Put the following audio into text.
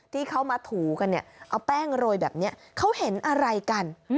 ที่เขามาถูกันเนี่ยเอาแป้งโรยแบบนี้เขาเห็นอะไรกัน